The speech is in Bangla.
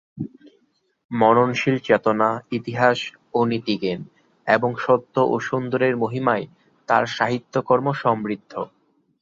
মননশীল চেতনা, ইতিহাস ও নীতিজ্ঞান এবং সত্য ও সুন্দরের মহিমায় তাঁর সাহিত্যকর্ম সমৃদ্ধ।